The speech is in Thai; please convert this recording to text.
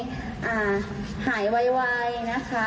เราจะผ่านวิกฤตโควิดครั้งนี้กันไปพร้อมกันกับทุกคนนะคะ